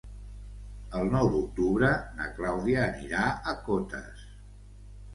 El nou d'octubre na Clàudia anirà a Cotes.